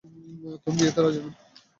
তুমি বিয়েতে রাজি নও?